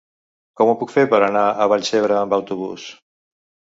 Com ho puc fer per anar a Vallcebre amb autobús?